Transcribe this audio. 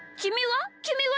きみは？